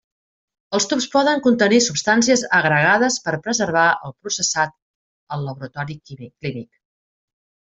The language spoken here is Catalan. Els tubs poden contenir substàncies agregades per preservar el processat al laboratori clínic.